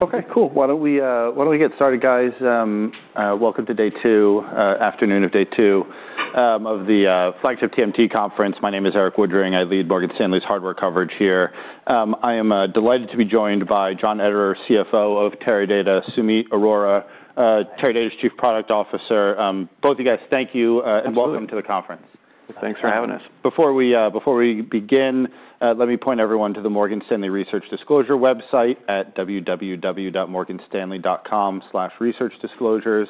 Okay, cool. Why don't we get started, guys? Welcome to day two, afternoon of day two, of the flagship TMT conference. My name is Erik Woodring. I lead Morgan Stanley's hardware coverage here. I am delighted to be joined by John Ederer, CFO of Teradata, Sumeet Arora, Teradata's Chief Product Officer. Both you guys, thank you. Absolutely. Welcome to the conference. Thanks for having us. Before we, before we begin, let me point everyone to the Morgan Stanley research disclosure website at www.morganstanley.com/researchdisclosures.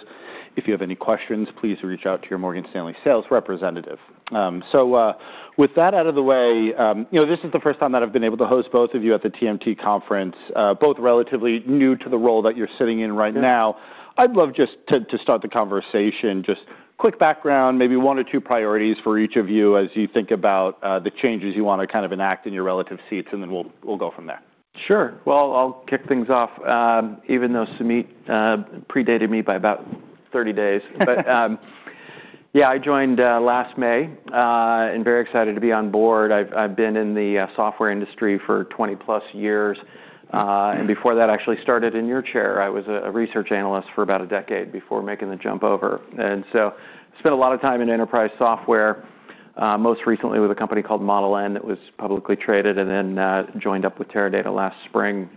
If you have any questions, please reach out to your Morgan Stanley sales representative. With that out of the way, you know, this is the first time that I've been able to host both of you at the TMT conference, both relatively new to the role that you're sitting in right now. Yeah. I'd love just to start the conversation, just quick background, maybe one or two priorities for each of you as you think about the changes you want to kind of enact in your relative seats, and then we'll go from there. Sure. Well, I'll kick things off, even though Sumeet predated me by about 30 days. Yeah, I joined last May, and very excited to be on board. I've been in the software industry for 20+ years. And before that, I actually started in your chair. I was a research analyst for about a decade before making the jump over. Spent a lot of time in enterprise software, most recently with a company called Model N that was publicly traded and then joined up with Teradata last spring.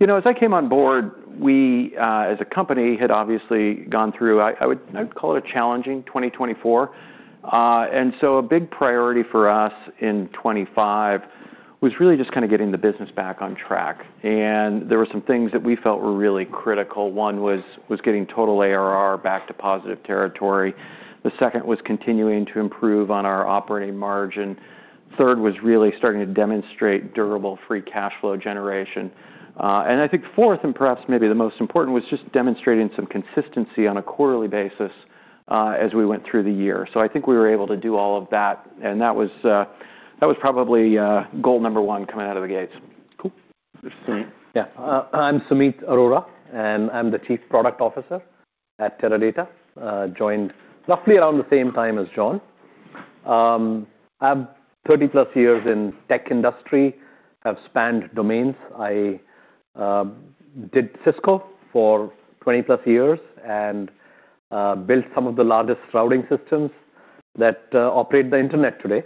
You know, as I came on board, we, as a company, had obviously gone through, I would call it a challenging 2024. A big priority for us in 2025 was really just kinda getting the business back on track. There were some things that we felt were really critical. One was getting total ARR back to positive territory. The second was continuing to improve on our operating margin. Third was really starting to demonstrate durable free cash flow generation. I think fourth, and perhaps maybe the most important, was just demonstrating some consistency on a quarterly basis as we went through the year. I think we were able to do all of that, and that was probably goal number one coming out of the gates. Cool. Sumeet? Yeah. I'm Sumeet Arora, I'm the Chief Product Officer at Teradata, joined roughly around the same time as John. I have 30+ years in tech industry, have spanned domains. I did Cisco for 20+ years, built some of the largest routing systems that operate the internet today.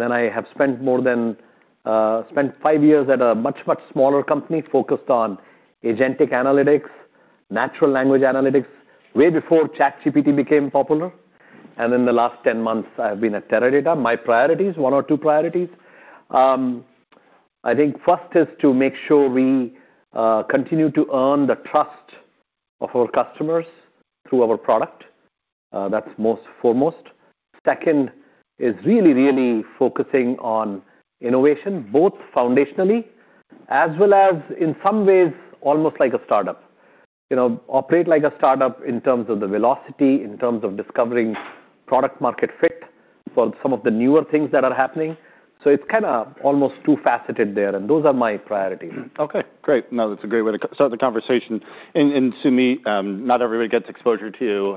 I have spent more than five years at a much, much smaller company focused on agentic analytics, natural language analytics, way before ChatGPT became popular. In the last 10 months, I've been at Teradata. My priorities, one or two priorities. I think first is to make sure we continue to earn the trust of our customers through our product. That's most foremost. Second is really focusing on innovation, both foundationally as well as, in some ways, almost like a startup. You know, operate like a startup in terms of the velocity, in terms of discovering product market fit for some of the newer things that are happening. It's kinda almost two-faceted there, and those are my priorities. Okay, great. No, that's a great way to start the conversation. Sumeet, not everybody gets exposure to you,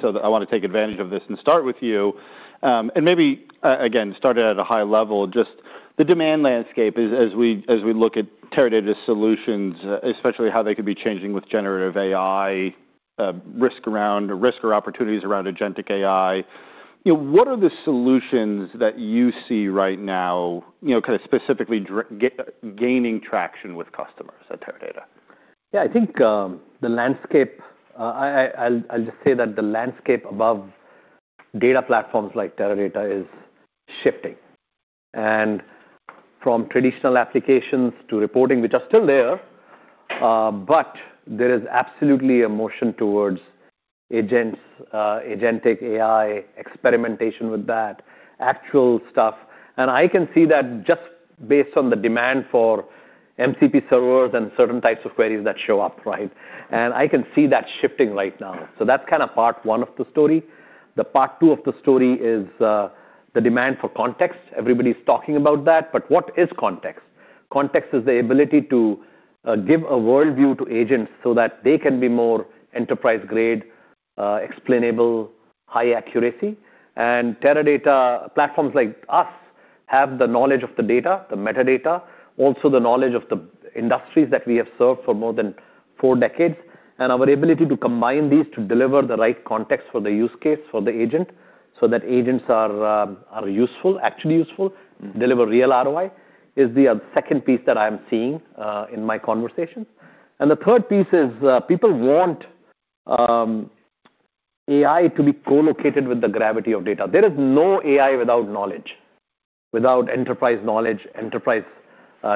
so I wanna take advantage of this and start with you. Maybe, again, starting at a high level, just the demand landscape as we look at Teradata solutions, especially how they could be changing with generative AI, risk or opportunities around agentic AI, you know, what are the solutions that you see right now, you know, kinda specifically gaining traction with customers at Teradata? Yeah. I think, the landscape, I'll just say that the landscape above data platforms like Teradata is shifting. From traditional applications to reporting, which are still there, but there is absolutely a motion towards agents, agentic AI, experimentation with that, actual stuff. I can see that just based on the demand for MCP servers and certain types of queries that show up, right? I can see that shifting right now. That's kinda part one of the story. The part two of the story is the demand for context. Everybody's talking about that, but what is context? Context is the ability to give a worldview to agents so that they can be more enterprise-grade, explainable, high accuracy. Teradata, platforms like us, have the knowledge of the data, the metadata, also the knowledge of the industries that we have served for more than four decades, and our ability to combine these to deliver the right context for the use case for the agent, so that agents are useful, actually useful, deliver real ROI, is the second piece that I'm seeing in my conversations. The third piece is, people want AI to be co-located with the gravity of data. There is no AI without knowledge, without enterprise knowledge, enterprise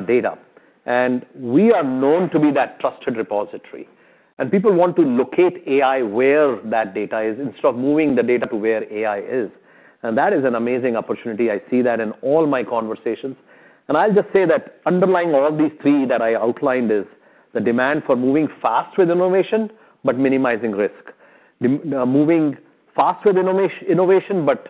data. We are known to be that trusted repository. People want to locate AI where that data is instead of moving the data to where AI is. That is an amazing opportunity. I see that in all my conversations. I'll just say that underlying all of these three that I outlined is the demand for moving fast with innovation, but minimizing risk. The moving fast with innovation, but,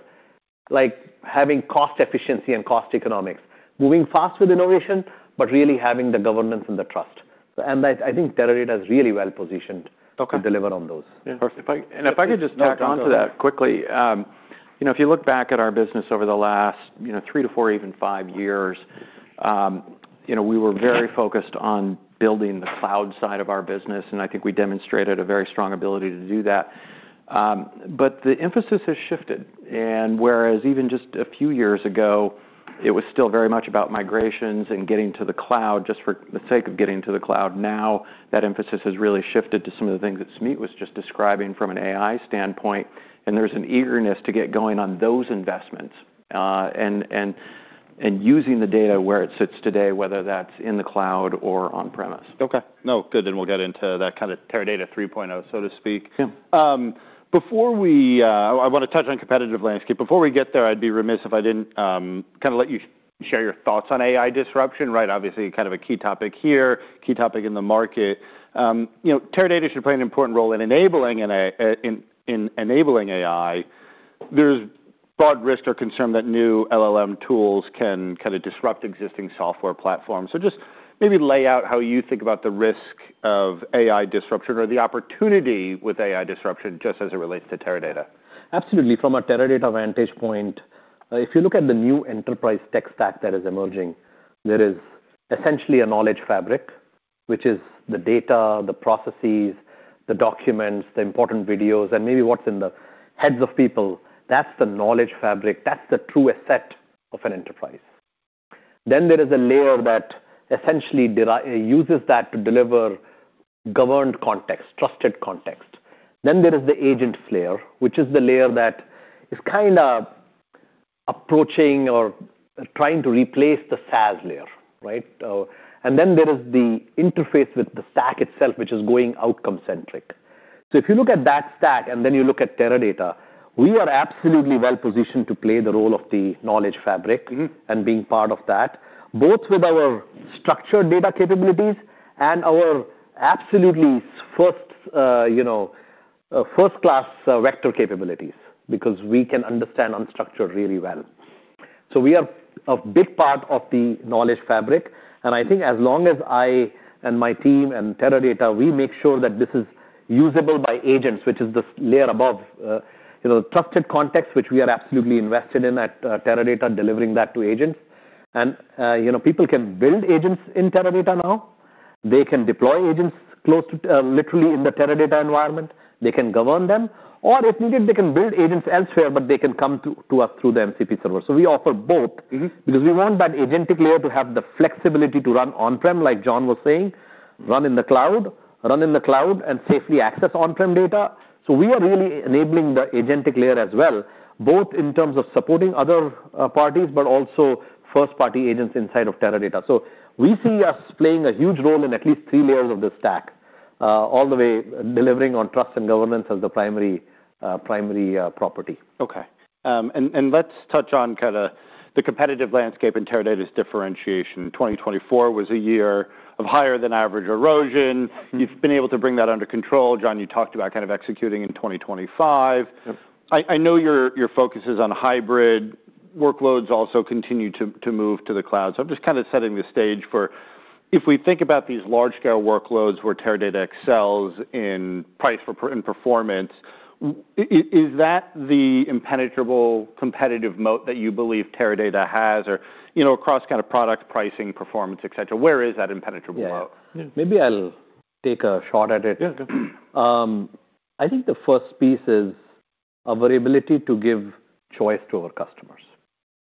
like, having cost efficiency and cost economics. Moving fast with innovation, but really having the governance and the trust. I think Teradata is really well positioned. Okay. To deliver on those. Yeah. Perfect. If I could just tack onto that quickly. You know, if you look back at our business over the last, you know, three to four, even five years, you know, we were very focused on building the cloud side of our business, and I think we demonstrated a very strong ability to do that. The emphasis has shifted and whereas even just a few years ago, it was still very much about migrations and getting to the cloud just for the sake of getting to the cloud. That emphasis has really shifted to some of the things that Sumeet was just describing from an AI standpoint, and there's an eagerness to get going on those investments, and using the data where it sits today, whether that's in the cloud or on-premise. Okay. No, good. We'll get into that kind of Teradata 3.0, so to speak. Yeah. I wanna touch on competitive landscape. Before we get there, I'd be remiss if I didn't kind of let you share your thoughts on AI disruption, right? Obviously, kind of a key topic here, key topic in the market. You know, Teradata should play an important role in enabling AI. There's broad risk or concern that new LLM tools can kinda disrupt existing software platforms. Just maybe lay out how you think about the risk of AI disruption or the opportunity with AI disruption just as it relates to Teradata. Absolutely. From a Teradata vantage point, if you look at the new enterprise tech stack that is emerging, there is essentially a knowledge fabric, which is the data, the processes, the documents, the important videos, and maybe what's in the heads of people. That's the knowledge fabric. That's the truest set of an enterprise. There is a layer that essentially uses that to deliver governed context, trusted context. There is the agents layer, which is the layer that is kinda approaching or trying to replace the SaaS layer, right? There is the interface with the stack itself, which is going outcome-centric. If you look at that stack, you look at Teradata, we are absolutely well-positioned to play the role of the knowledge fabric- Mm-hmm... and being part of that, both with our structured data capabilities and our absolutely first, you know, first-class, vector capabilities, because we can understand unstructured really well. we are a big part of the knowledge fabric, and I think as long as I and my team and Teradata, we make sure that this is usable by agents, which is this layer above, you know, trusted context, which we are absolutely invested in at Teradata, delivering that to agents. you know, people can build agents in Teradata now. They can deploy agents close to literally in the Teradata environment. They can govern them, or if needed, they can build agents elsewhere, but they can come to us through the MCP Server. we offer both-. Mm-hmm... because we want that agentic layer to have the flexibility to run on-prem, like John was saying, run in the cloud, and safely access on-prem data. We are really enabling the agentic layer as well, both in terms of supporting other parties, but also first-party agents inside of Teradata. We see us playing a huge role in at least three layers of this stack, all the way delivering on trust and governance as the primary property. Okay. Let's touch on kinda the competitive landscape and Teradata's differentiation. 2024 was a year of higher than average erosion. You've been able to bring that under control. John, you talked about kind of executing in 2025. Yep. I know your focus is on hybrid workloads also continue to move to the cloud. I'm just kinda setting the stage for if we think about these large scale workloads where Teradata excels in price for in performance, is that the impenetrable competitive moat that you believe Teradata has or, you know, across kind of product pricing, performance, et cetera, where is that impenetrable moat? Yeah. Maybe I'll take a shot at it. Yeah. Okay. I think the first piece is our ability to give choice to our customers.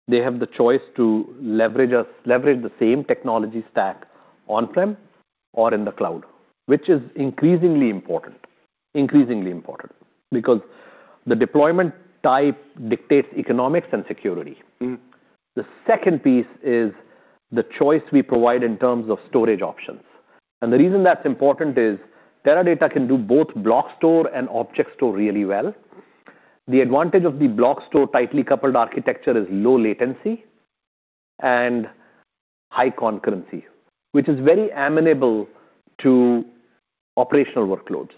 They have the choice to leverage the same technology stack on-prem or in the cloud, which is increasingly important. The deployment type dictates economics and security. Mm-hmm. The second piece is the choice we provide in terms of storage options. The reason that's important is Teradata can do both block store and object store really well. The advantage of the block store tightly coupled architecture is low latency and high concurrency, which is very amenable to operational workloads,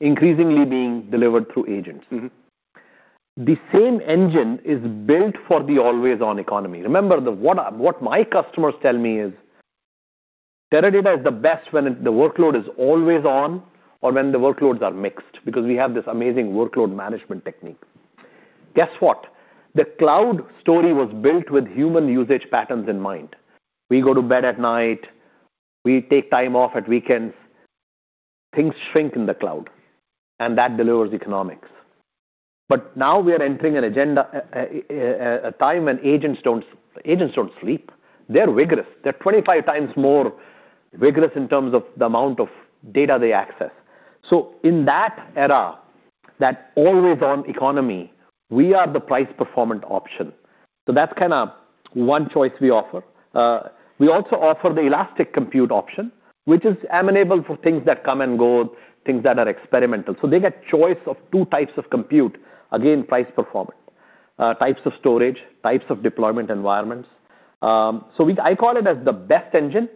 increasingly being delivered through agents. Mm-hmm. The same engine is built for the always-on economy. Remember, what my customers tell me is Teradata is the best when it the workload is always on or when the workloads are mixed, because we have this amazing workload management technique. Guess what? The cloud story was built with human usage patterns in mind. We go to bed at night, we take time off at weekends, things shrink in the cloud. That delivers economics. Now we are entering a time when agents don't sleep. They're vigorous. They're 25 times more vigorous in terms of the amount of data they access. In that era, that always-on economy, we are the price performance option. That's kind of one choice we offer. We also offer the elastic compute option, which is amenable for things that come and go, things that are experimental. They get choice of two types of compute. Again, price performance. Types of storage, types of deployment environments. I call it as the best engine,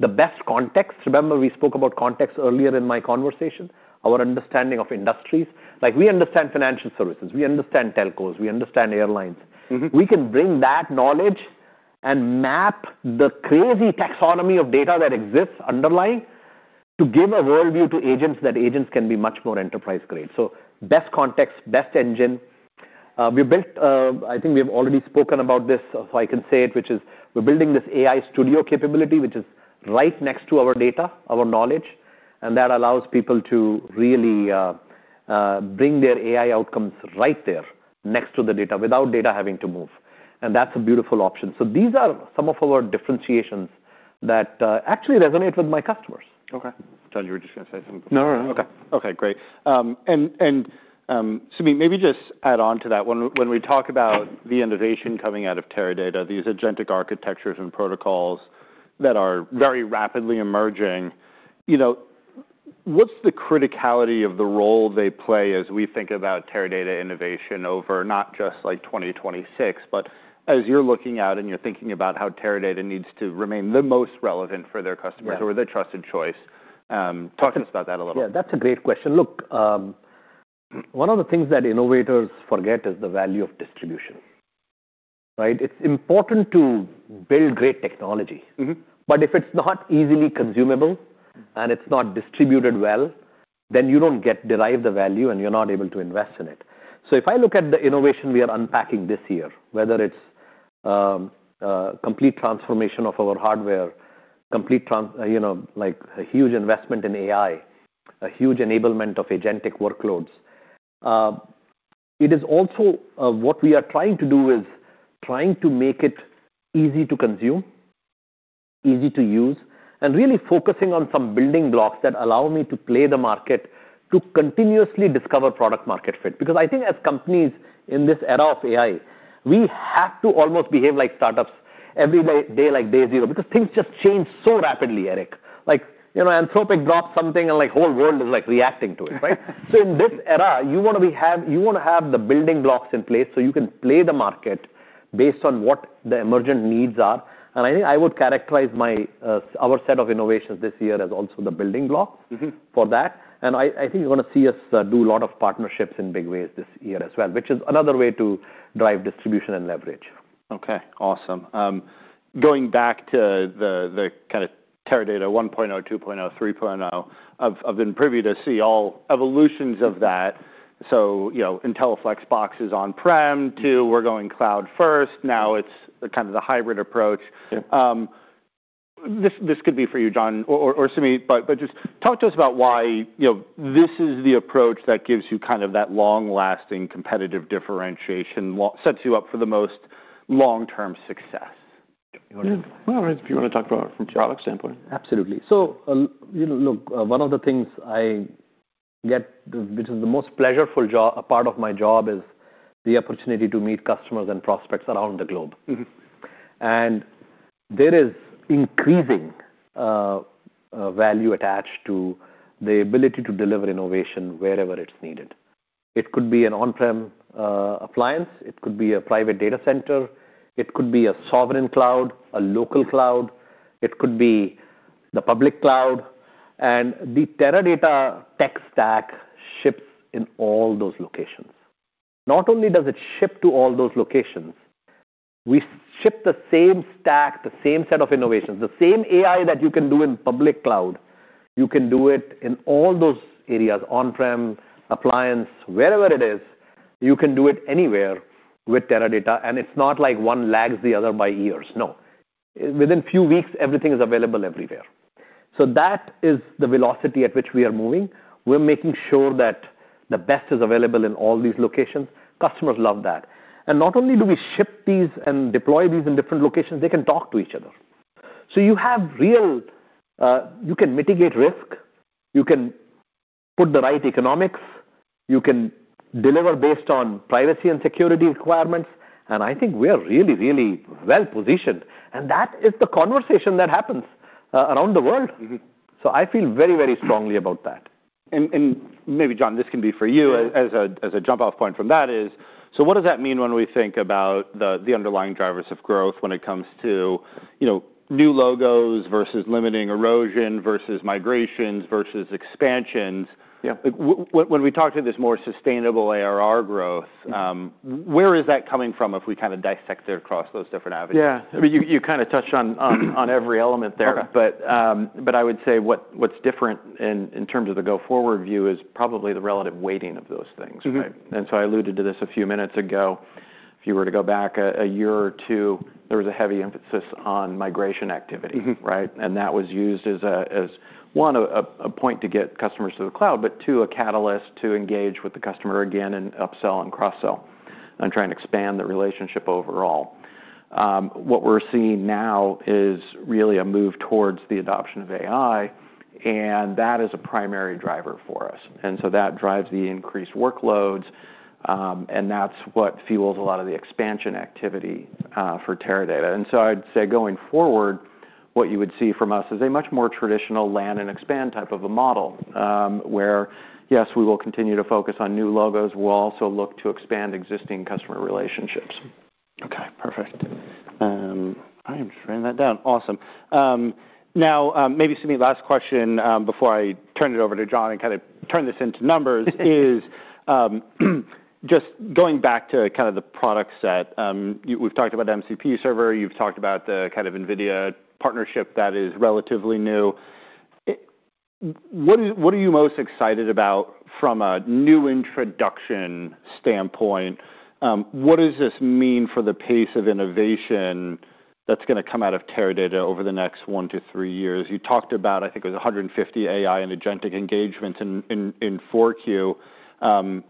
the best context. Remember we spoke about context earlier in my conversation, our understanding of industries. Like, we understand financial services, we understand telcos, we understand airlines. Mm-hmm. We can bring that knowledge and map the crazy taxonomy of data that exists underlying to give a worldview to agents that agents can be much more enterprise-grade. Best context, best engine. We built, I think we have already spoken about this, so I can say it, which is we're building this AI studio capability, which is right next to our data, our knowledge, and that allows people to really bring their AI outcomes right there next to the data without data having to move, and that's a beautiful option. These are some of our differentiations that actually resonate with my customers. Okay. John, you were just gonna say something? No, no. Okay. Okay, great. Sumeet, maybe just add on to that. When we talk about the innovation coming out of Teradata, these agentic architectures and protocols that are very rapidly emerging, you know, what's the criticality of the role they play as we think about Teradata innovation over not just, like, 2026, but as you're looking out and you're thinking about how Teradata needs to remain the most relevant for their customers- Yeah. -or their trusted choice. Talk to us about that a little. That's a great question. Look, one of the things that innovators forget is the value of distribution, right? It's important to build great technology. Mm-hmm. If it's not easily consumable and it's not distributed well, then you don't get derive the value, and you're not able to invest in it. If I look at the innovation we are unpacking this year, whether it's complete transformation of our hardware, you know, like, a huge investment in AI, a huge enablement of agentic workloads, it is also what we are trying to do is trying to make it easy to consume, easy to use, and really focusing on some building blocks that allow me to play the market to continuously discover product market fit. I think as companies in this era of AI, we have to almost behave like startups every day like day zero, because things just change so rapidly, Erik. Like, you know, Anthropic drops something, and, like, whole world is, like, reacting to it, right? In this era, you wanna have the building blocks in place so you can play the market based on what the emergent needs are. I think I would characterize my our set of innovations this year as also the building block- Mm-hmm. -for that. I think you're gonna see us do a lot of partnerships in big ways this year as well, which is another way to drive distribution and leverage. Okay. Awesome. going back to the kinda Teradata 1.0, 2.0, 3.0, I've been privy to see all evolutions of that. you know, IntelliFlex boxes on-prem to we're going cloud first, now it's kind of the hybrid approach. Yeah. This could be for you, John, or Sumeet, but just talk to us about why, you know, this is the approach that gives you kind of that long-lasting competitive differentiation, sets you up for the most long-term success? Yeah. All right. If you wanna talk about it from a product standpoint? Absolutely. you know, look, one of the things I get, which is the most pleasureful part of my job, is the opportunity to meet customers and prospects around the globe. Mm-hmm. There is increasing value attached to the ability to deliver innovation wherever it's needed. It could be an on-prem appliance. It could be a private data center. It could be a sovereign cloud, a local cloud. It could be the public cloud. The Teradata tech stack ships in all those locations. Not only does it ship to all those locations, we ship the same stack, the same set of innovations, the same AI that you can do in public cloud, you can do it in all those areas, on-prem, appliance, wherever it is, you can do it anywhere with Teradata, it's not like one lags the other by years. No. Within few weeks, everything is available everywhere. That is the velocity at which we are moving. We're making sure that the best is available in all these locations. Customers love that. Not only do we ship these and deploy these in different locations, they can talk to each other. You have real, you can mitigate risk, you can put the right economics, you can deliver based on privacy and security requirements, and I think we're really, really well-positioned. That is the conversation that happens, around the world. Mm-hmm. I feel very, very strongly about that. Maybe, John, this can be for you. Yeah. As a jump-off point from that is, so what does that mean when we think about the underlying drivers of growth when it comes to, you know, new logos versus limiting erosion versus migrations versus expansions? Yeah. When we talk to this more sustainable ARR growth. Mm. Where is that coming from if we kind of dissect it across those different avenues? Yeah. I mean, you kinda touched on every element there. Okay. I would say what's different in terms of the go-forward view is probably the relative weighting of those things, right? Mm-hmm. I alluded to this a few minutes ago. If you were to go back a year or two, there was a heavy emphasis on migration activity. Mm-hmm. Right? That was used as a, as, one, a point to get customers to the cloud, but two, a catalyst to engage with the customer again and upsell and cross-sell and trying to expand the relationship overall. What we're seeing now is really a move towards the adoption of AI, and that is a primary driver for us. That drives the increased workloads, and that's what fuels a lot of the expansion activity for Teradata. I'd say going forward, what you would see from us is a much more traditional land and expand type of a model, where, yes, we will continue to focus on new logos. We'll also look to expand existing customer relationships. Okay. Perfect. I am just writing that down. Awesome. Now, maybe Sumeet, last question, before I turn it over to John and kind of turn this into numbers is, just going back to kind of the product set, we've talked about MCP Server, you've talked about the kind of NVIDIA partnership that is relatively new. What are, what are you most excited about from a new introduction standpoint? What does this mean for the pace of innovation that's gonna come out of Teradata over the next one to three years? You talked about, I think it was 150 AI and agentic engagement in 4Q.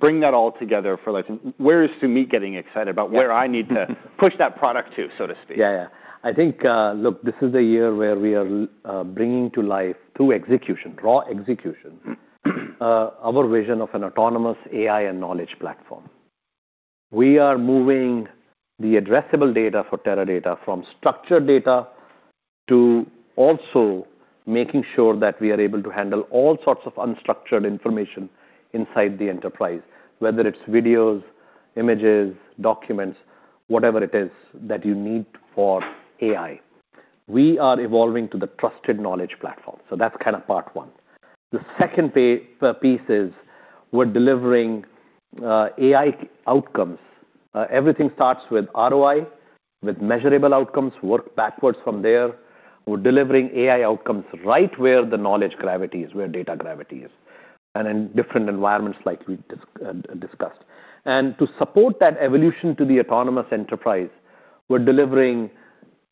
Bring that all together for like... Where is Sumeet getting excited about where I need to push that product to, so to speak? Yeah, yeah. I think, look, this is the year where we are bringing to life through execution, raw execution, our vision of an autonomous AI and knowledge platform. We are moving the addressable data for Teradata from structured data to also making sure that we are able to handle all sorts of unstructured information inside the enterprise, whether it's videos, images, documents, whatever it is that you need for AI. We are evolving to the trusted knowledge platform. That's kind of part one. The second piece is we're delivering AI outcomes. Everything starts with ROI, with measurable outcomes, work backwards from there. We're delivering AI outcomes right where the knowledge gravity is, where data gravity is, and in different environments like we discussed. To support that evolution to the autonomous enterprise, we're delivering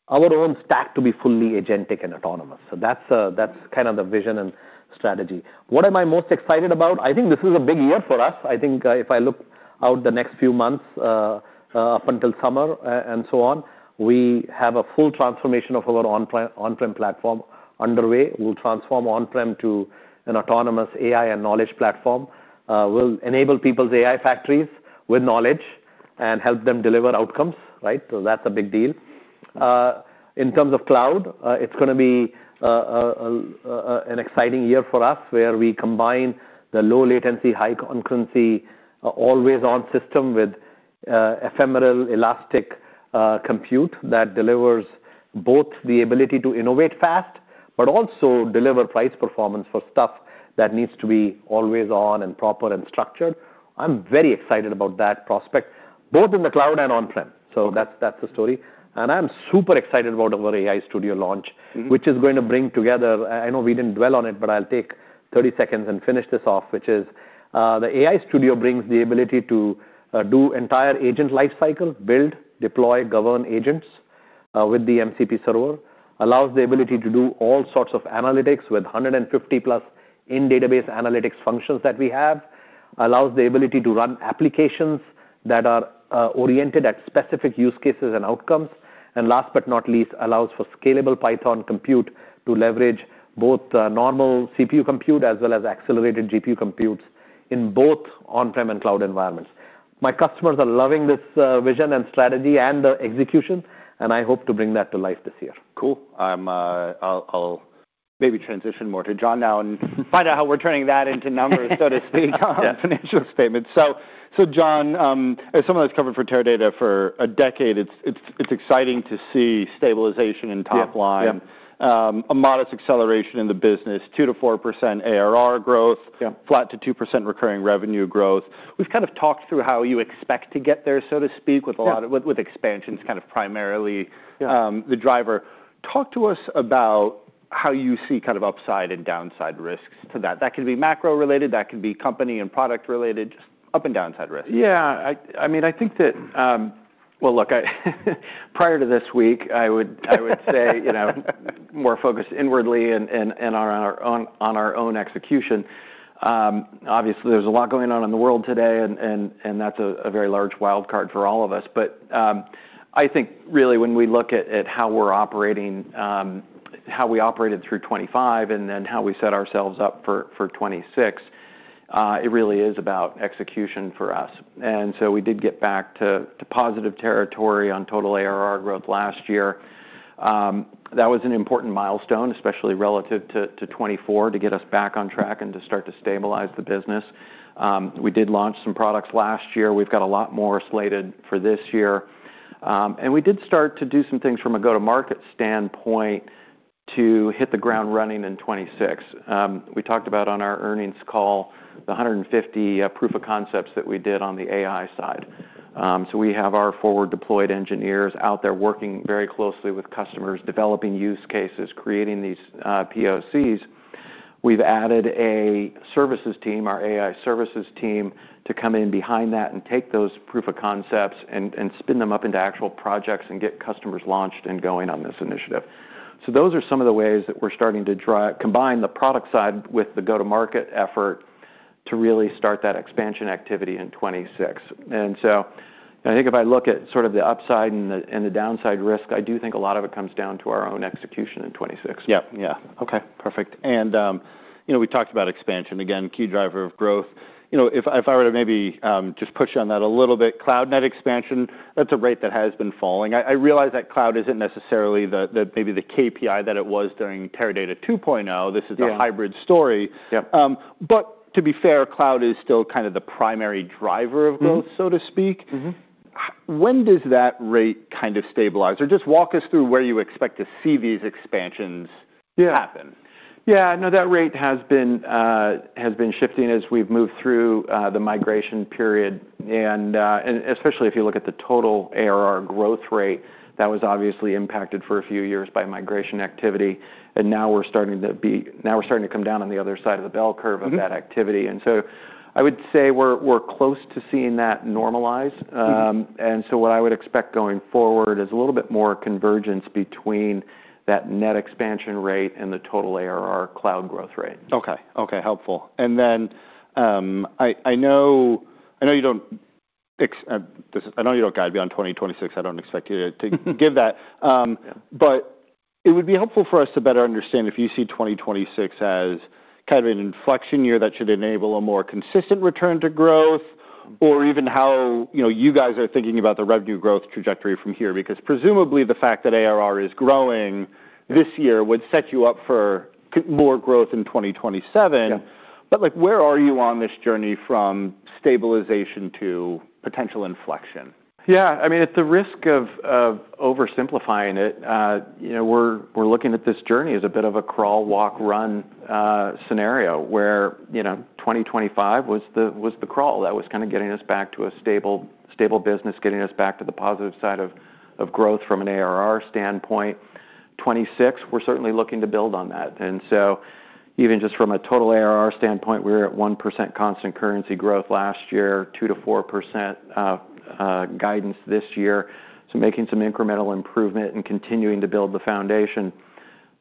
our own stack to be fully agentic and autonomous. That's kind of the vision and strategy. What am I most excited about? I think this is a big year for us. I think, if I look out the next few months, up until summer, and so on, we have a full transformation of our on-prem platform underway. We'll transform on-prem to an autonomous AI and knowledge platform. We'll enable people's AI factories with knowledge and help them deliver outcomes, right? That's a big deal. In terms of cloud, it's going to be an exciting year for us, where we combine the low latency, high concurrency, always-on system with ephemeral, elastic compute that delivers both the ability to innovate fast, but also deliver price performance for stuff that needs to be always on and proper and structured. I'm very excited about that prospect, both in the cloud and on-prem. That's the story. And I'm super excited about our AI Studio be launched. Mm-hmm. Which is going to bring together... I know we didn't dwell on it, but I'll take 30 seconds and finish this off, which is, the AI Studio brings the ability to do entire agent lifecycle, build, deploy, govern agents, with the MCP Server. Allows the ability to do all sorts of analytics with 150+ in-database analytics functions that we have. Allows the ability to run applications that are oriented at specific use cases and outcomes. Last but not least, allows for scalable Python compute to leverage both, normal CPU compute as well as accelerated GPU computes in both on-prem and cloud environments. My customers are loving this vision and strategy and the execution, and I hope to bring that to life this year. Cool. I'm, I'll maybe transition more to John now and find out how we're turning that into numbers, so to speak, on financial statements. Yeah. John, as someone that's covered for Teradata for a decade, it's exciting to see stabilization in top line. Yeah. Yeah. A modest acceleration in the business, 2%-4% ARR growth. Yeah. Flat to 2% recurring revenue growth. We've kind of talked through how you expect to get there, so to speak. Yeah. - with expansions kind of primarily, the driver. Yeah. Talk to us about how you see kind of upside and downside risks to that? That can be macro-related, that can be company and product-related, just up and downside risks. Yeah. I mean, I think that. Well, look, I prior to this week, I would say, you know, more focused inwardly and on our own execution. Obviously, there's a lot going on in the world today and that's a very large wildcard for all of us. I think really when we look at how we're operating, how we operated through 2025 and then how we set ourselves up for 2026, it really is about execution for us. We did get back to positive territory on total ARR growth last year. That was an important milestone, especially relative to 2024, to get us back on track and to start to stabilize the business. We did launch some products last year. We've got a lot more slated for this year. We did start to do some things from a go-to-market standpoint to hit the ground running in 2026. We talked about on our earnings call, the 150 proof of concepts that we did on the AI side. We have our forward deployed engineers out there working very closely with customers, developing use cases, creating these POCs. We've added a services team, our AI services team, to come in behind that and take those proof of concepts and spin them up into actual projects and get customers launched and going on this initiative. Those are some of the ways that we're starting to try combine the product side with the go-to-market effort to really start that expansion activity in 2026. I think if I look at sort of the upside and the, and the downside risk, I do think a lot of it comes down to our own execution in 2026. Yeah. Yeah. Okay, perfect. You know, we talked about expansion, again, key driver of growth. You know, if I were to maybe just push on that a little bit, cloud net expansion, that's a rate that has been falling. I realize that cloud isn't necessarily the maybe the KPI that it was during Teradata 2.0. Yeah. This is the hybrid story. Yeah. To be fair, cloud is still kind of the primary driver of growth. Mm-hmm. So to speak. Mm-hmm. When does that rate kind of stabilize? Just walk us through where you expect to see these expansions? Yeah ... happen. Yeah. No, that rate has been, has been shifting as we've moved through, the migration period, and especially if you look at the total ARR growth rate, that was obviously impacted for a few years by migration activity, and now we're starting to come down on the other side of the bell curve. Mm-hmm of that activity. I would say we're close to seeing that normalize. What I would expect going forward is a little bit more convergence between that net expansion rate and the total ARR cloud growth rate. Okay. Okay, helpful. I know you don't guide beyond 2026. I don't expect you to give that. It would be helpful for us to better understand if you see 2026 as kind of an inflection year that should enable a more consistent return to growth or even how, you know, you guys are thinking about the revenue growth trajectory from here. Presumably, the fact that ARR is growing this year would set you up for more growth in 2027. Yeah. Like, where are you on this journey from stabilization to potential inflection? Yeah. I mean, at the risk of oversimplifying it, you know, we're looking at this journey as a bit of a crawl, walk, run scenario where, you know, 2025 was the crawl. That was kind of getting us back to a stable business, getting us back to the positive side of growth from an ARR standpoint. 2026, we're certainly looking to build on that. Even just from a total ARR standpoint, we were at 1% constant currency growth last year, 2%-4% guidance this year. Making some incremental improvement and continuing to build the foundation.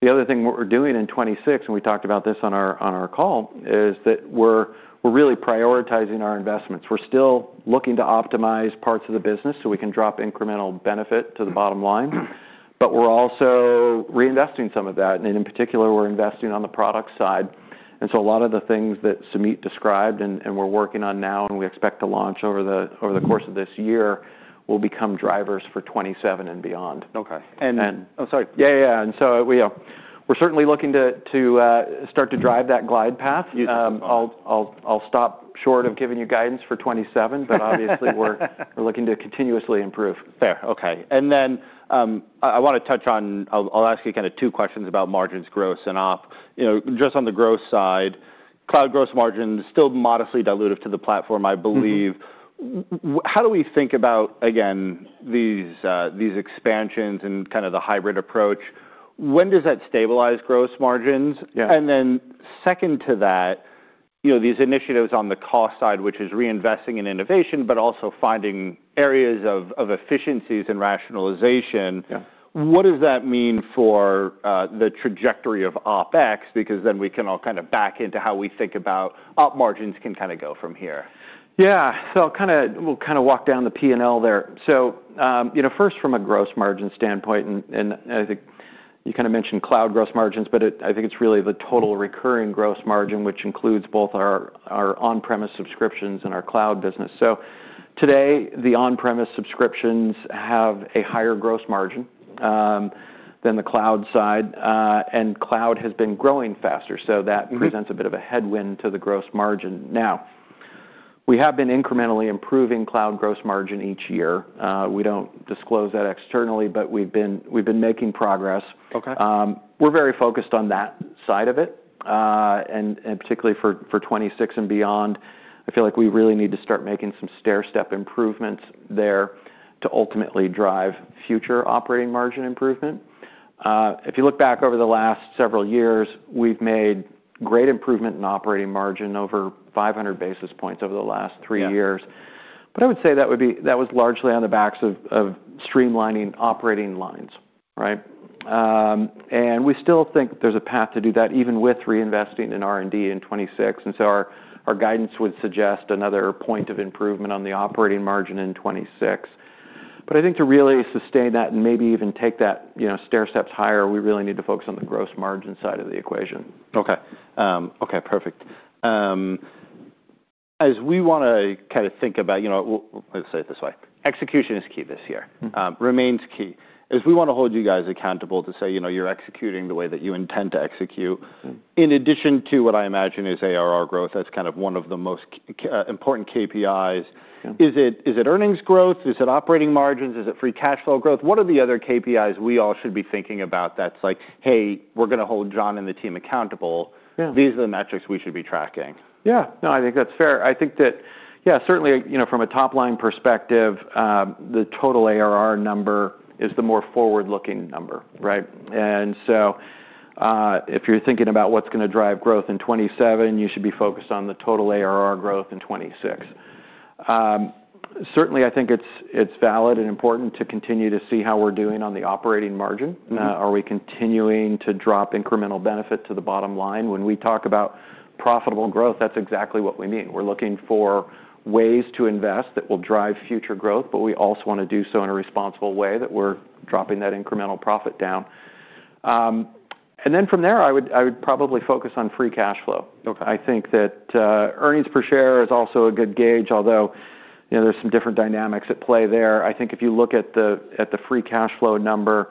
The other thing, what we're doing in 2026, and we talked about this on our call, is that we're really prioritizing our investments. We're still looking to optimize parts of the business, so we can drop incremental benefit to the bottom line. Mm. We're also reinvesting some of that. In particular, we're investing on the product side. A lot of the things that Sumeet described and we're working on now, and we expect to launch over the. Mm... over the course of this year, will become drivers for 2027 and beyond. Okay. And then- Oh, sorry. Yeah, yeah. We're certainly looking to start to drive that glide path. Yes. I'll stop short of giving you guidance for 2027. Obviously, we're looking to continuously improve. Fair. Okay. I wanna touch on. I'll ask you kinda two questions about margins gross and op. You know, just on the gross side, cloud gross margin is still modestly dilutive to the platform, I believe. Mm-hmm. How do we think about, again, these expansions and kind of the hybrid approach? When does that stabilize gross margins? Yeah. Second to that, you know, these initiatives on the cost side, which is reinvesting in innovation, but also finding areas of efficiencies and rationalization. Yeah... what does that mean for the trajectory of OpEx? Then we can all kind of back into how we think about op margins can kinda go from here. Yeah. We'll kinda walk down the P&L there. You know, first, from a gross margin standpoint, and I think you kinda mentioned cloud gross margins, but I think it's really the total recurring gross margin, which includes both our on-premise subscriptions and our cloud business. Today, the on-premise subscriptions have a higher gross margin than the cloud side. Cloud has been growing faster. Mm-hmm That presents a bit of a headwind to the gross margin. We have been incrementally improving cloud gross margin each year. We don't disclose that externally. We've been making progress. Okay. We're very focused on that side of it. Particularly for 2026 and beyond, I feel like we really need to start making some stairstep improvements there to ultimately drive future operating margin improvement. If you look back over the last several years, we've made great improvement in operating margin, over 500 basis points over the last three years. Yeah. I would say that was largely on the backs of streamlining operating lines, right? We still think there's a path to do that even with reinvesting in R&D in 2026, our guidance would suggest another point of improvement on the operating margin in 2026. I think to really sustain that and maybe even take that, you know, stairsteps higher, we really need to focus on the gross margin side of the equation. Okay. Okay, perfect. We wanna kinda think about, you know. We'll say it this way. Execution is key this year. Mm-hmm. Remains key, is we wanna hold you guys accountable to say, you know, you're executing the way that you intend to execute. Mm-hmm. In addition to what I imagine is ARR growth, that's kind of one of the most important KPIs. Yeah. Is it earnings growth? Is it operating margins? Is it free cash flow growth? What are the other KPIs we all should be thinking about that's like, "Hey, we're gonna hold John and the team accountable."? Yeah. These are the metrics we should be tracking. Yeah. No, I think that's fair. I think that, yeah, certainly, you know, from a top-line perspective, the total ARR number is the more forward-looking number, right? If you're thinking about what's gonna drive growth in 2027, you should be focused on the total ARR growth in 2026. Certainly, I think it's valid and important to continue to see how we're doing on the operating margin. Mm-hmm. Are we continuing to drop incremental benefit to the bottom line? When we talk about profitable growth, that's exactly what we mean. We're looking for ways to invest that will drive future growth, but we also wanna do so in a responsible way that we're dropping that incremental profit down. From there, I would probably focus on free cash flow. Okay. I think that earnings per share is also a good gauge, although, you know, there's some different dynamics at play there. I think if you look at the free cash flow number,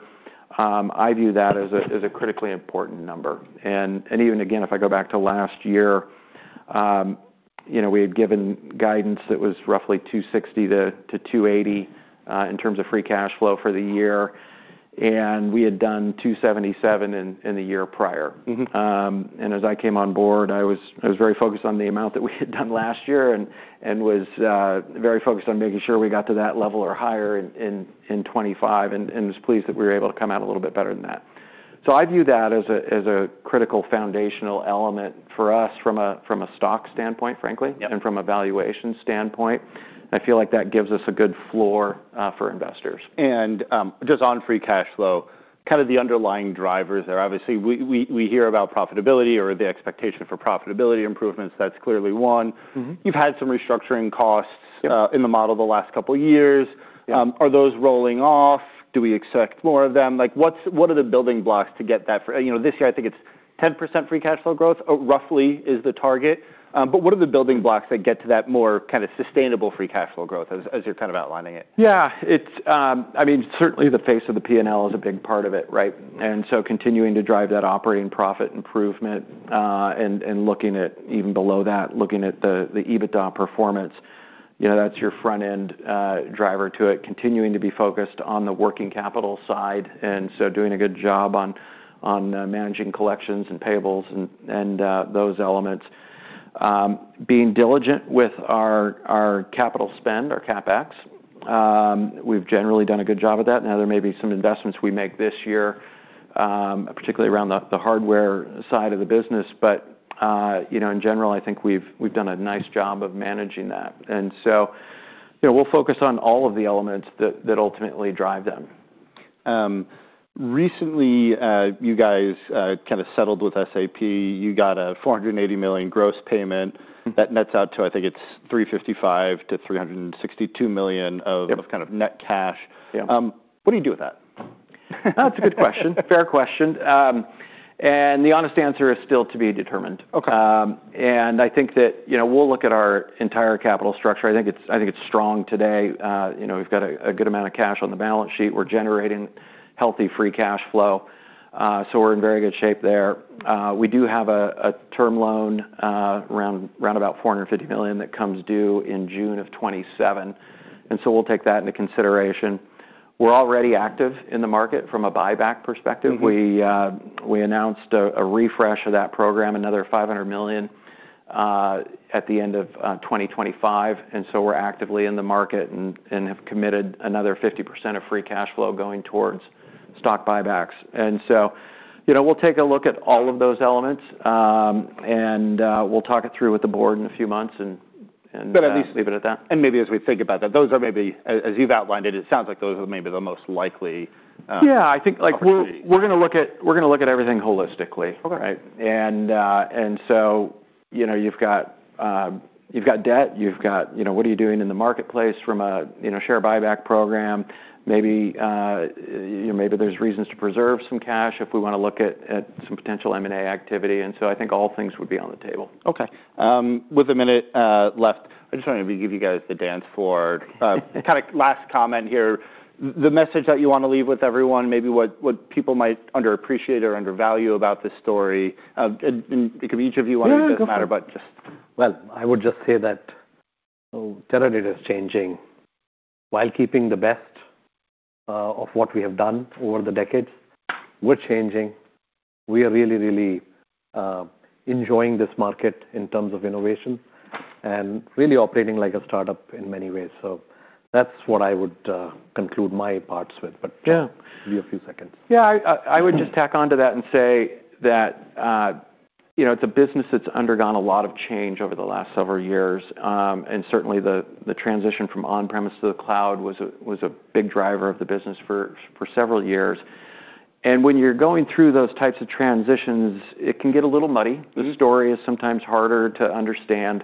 I view that as a critically important number. Even again, if I go back to last year, you know, we had given guidance that was roughly $260 million-$280 million in terms of free cash flow for the year, and we had done $277 million in the year prior. Mm-hmm. As I came on board I was, I was very focused on the amount that we had done last year, and was very focused on making sure we got to that level or higher in, in 2025 and was pleased that we were able to come out a little bit better than that. I view that as a, as a critical foundational element for us from a, from a stock standpoint, frankly. Yeah... from a valuation standpoint. I feel like that gives us a good floor for investors. Just on free cash flow, kind of the underlying drivers there. Obviously we hear about profitability or the expectation for profitability improvements, that's clearly one. Mm-hmm. You've had some restructuring costs. Yeah... in the model the last couple years. Yeah. Are those rolling off? Do we expect more of them? Like, what are the building blocks to get that? You know, this year I think it's 10% free cash flow growth, roughly is the target. What are the building blocks that get to that more kind of sustainable free cash flow growth as you're kind of outlining it? I mean, certainly the face of the P&L is a big part of it, right? Continuing to drive that operating profit improvement, and looking at even below that, looking at the EBITDA performance, you know, that's your front end driver to it continuing to be focused on the working capital side. Doing a good job on managing collections and payables and those elements. Being diligent with our capital spend, our CapEx. We've generally done a good job of that. There may be some investments we make this year, particularly around the hardware side of the business, you know, in general I think we've done a nice job of managing that. You know, we'll focus on all of the elements that ultimately drive them. Recently, you guys, kind of settled with SAP. You got a $480 million gross payment. Mm. That nets out to, I think it's $355 million-$362 million of- Yeah kind of net cash. Yeah. What do you do with that? That's a good question. Fair question. The honest answer is still to be determined. Okay. I think that, you know, we'll look at our entire capital structure. I think it's strong today. You know, we've got a good amount of cash on the balance sheet. We're generating healthy free cash flow, we're in very good shape there. We do have a term loan about $450 million that comes due in June of 2027, we'll take that into consideration. We're already active in the market from a buyback perspective. Mm-hmm. We announced a refresh of that program, another $500 million, at the end of 2025. We're actively in the market and have committed another 50% of free cash flow going towards stock buybacks. You know, we'll take a look at all of those elements, and we'll talk it through with the board in a few months and. At least leave it at that. Maybe as we think about that, those are maybe... as you've outlined it sounds like those are maybe the most likely. Yeah. I think. obviously. We're gonna look at everything holistically. Okay. Right? You know, you've got, you've got debt, you've got, you know, what are you doing in the marketplace from a, you know, share buyback program. Maybe, you know, maybe there's reasons to preserve some cash if we wanna look at some potential M&A activity. I think all things would be on the table. Okay. With a minute left, I just wanted to give you guys the dance floor. Kind of last comment here. The message that you wanna leave with everyone, maybe what people might underappreciate or undervalue about this story. It can be each of you on it... Yeah, yeah. Go for it... it doesn't matter, but just... Well, I would just say that Teradata is changing. While keeping the best, of what we have done over the decades, we're changing. We are really enjoying this market in terms of innovation and really operating like a startup in many ways. That's what I would conclude my parts with. Yeah Give you a few seconds. Yeah. I would just tack onto that and say that, you know, it's a business that's undergone a lot of change over the last several years. Certainly the transition from on-premise to the cloud was a big driver of the business for several years. When you're going through those types of transitions, it can get a little muddy. Mm-hmm. The story is sometimes harder to understand.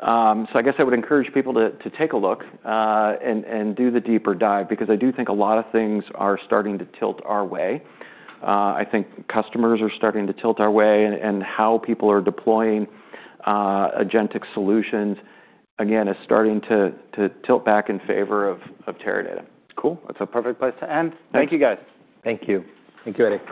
I guess I would encourage people to take a look, and do the deeper dive because I do think a lot of things are starting to tilt our way. I think customers are starting to tilt our way in, and how people are deploying, agentic solutions, again, is starting to tilt back in favor of Teradata. Cool. That's a perfect place to end. Thanks. Thank you, guys. Thank you. Thank you, Erik.